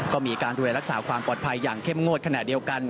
ก็มีการดูแลรักษาความปลอดภัยอย่างเข้มงวดขณะเดียวกัน